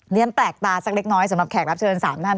แปลกตาสักเล็กน้อยสำหรับแขกรับเชิญ๓ท่าน